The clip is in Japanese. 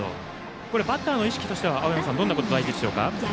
バッターの意識としてはどんなことが大事でしょう？